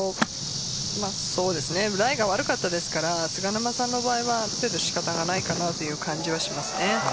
ライが悪かったですから菅沼さんの場合はある程度仕方ないと思います。